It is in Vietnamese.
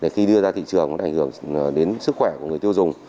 khi đưa ra thị trường nó đã ảnh hưởng đến sức khỏe của người tiêu dùng